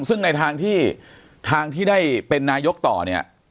ซึ่งในทางที่ทางที่ได้เป็นนายกต่อเนี่ย